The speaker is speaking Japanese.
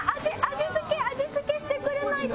味付け！味付けしてくれないと！